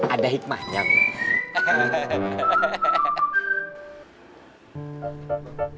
ada hikmahnya mil